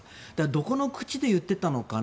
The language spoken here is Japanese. どこの口で言っていたのかな。